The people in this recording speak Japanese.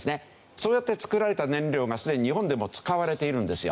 そうやって作られた燃料がすでに日本でも使われているんですよ。